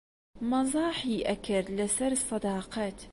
مەزاحی ئەکرد لەسەر سەداقەت